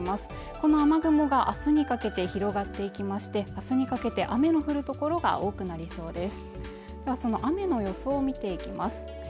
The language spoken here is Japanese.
この雨雲が明日にかけて広がっていきまして明日にかけて雨の降る所が多くなりそうです